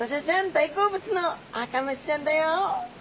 大好物のアカムシちゃんだよ！